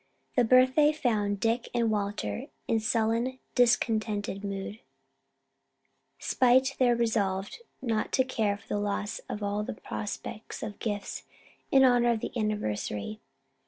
The birthday found Dick and Walter in sullen, discontented mood, spite of their resolve not to care for the loss of all prospect of gifts in honor of the anniversary.